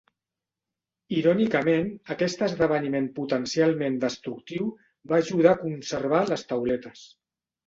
Irònicament, aquest esdeveniment potencialment destructiu va ajudar a conservar les tauletes.